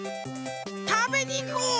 たべにいこう！